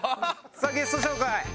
さあゲスト紹介。